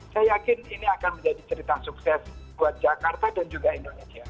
saya yakin ini akan menjadi cerita sukses buat jakarta dan juga indonesia